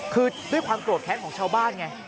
คือด้วยความโกรธแค้นของชาวบ้านไง